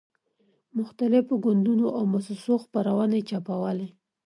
مختلفو ګوندونو او موسسو خپرونې چاپولې.